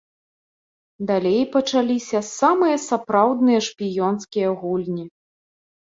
Далей пачаліся самыя сапраўдныя шпіёнскія гульні.